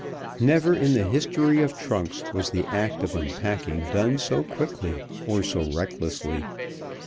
Never in the history of trunks was the act of unpacking done so quickly or so recklessly.